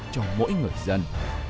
cho mỗi người dân